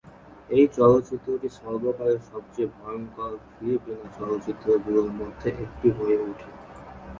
এই চলচ্চিত্রটি সর্বকালের সবচেয়ে ভয়ঙ্কর ফিলিপিনো চলচ্চিত্রগুলোর মধ্যে একটি হয়ে উঠে।